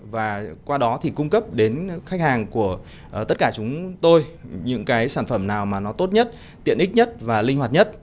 và qua đó thì cung cấp đến khách hàng của tất cả chúng tôi những cái sản phẩm nào mà nó tốt nhất tiện ích nhất và linh hoạt nhất